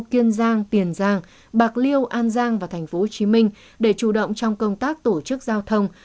kiên giang tiền giang bạc liêu an giang và tp hcm để chủ động trong công tác tổ chức giao thông